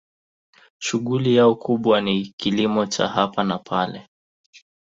Shughuli yao kubwa ni kilimo cha hapa na pale.